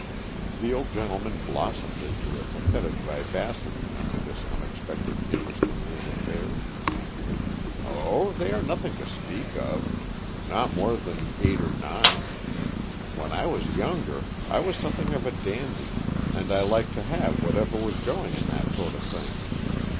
The old gentleman blossomed into a pathetic vivacity under this unexpected interest in his affairs. "Oh, they are nothing to speak of. Not more than eight or nine. When I was younger, I was something of a dandy, and I liked to have whatever was going in that sort of thing.